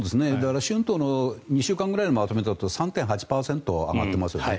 春闘の２週間くらいのまとめだと３．８％上がってますよね。